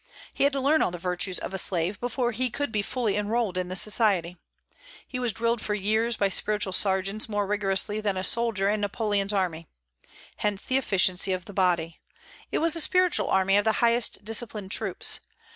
He had to learn all the virtues of a slave before he could be fully enrolled in the Society. He was drilled for years by spiritual sergeants more rigorously than a soldier in Napoleon's army: hence the efficiency of the body; it was a spiritual army of the highest disciplined troops.